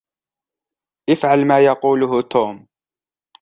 إفعل ما يقوله توم.